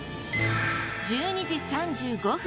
１２時３５分